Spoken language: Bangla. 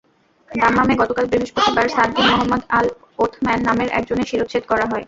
দাম্মামে গতকাল বৃহস্পতিবার সাদ বিন মোহাম্মদ আল-ওথম্যান নামের একজনের শিরশ্ছেদ করা হয়।